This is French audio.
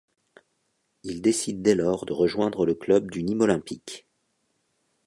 Il décide dès lors de rejoindre le club du Nîmes Olympique.